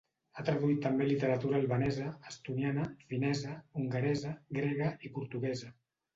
Ha traduït també literatura albanesa, estoniana, finesa, hongaresa, grega i portuguesa.